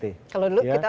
kalau dulu kita pesawat ya